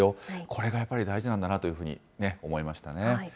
これがやっぱり大事なんだなというふうに思いましたね。